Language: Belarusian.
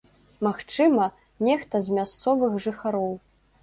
Магчыма, нехта з мясцовых жыхароў.